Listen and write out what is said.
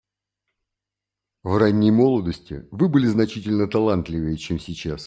В ранней молодости Вы были значительно талантливее, чем сейчас.